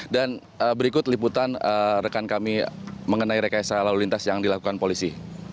dan berikut liputan rekan kami mengenai rekayasa lalu lintas yang dilakukan polisi